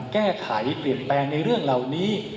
แก้ไขเปลี่ยนแปลงในเรื่องเหล่านี้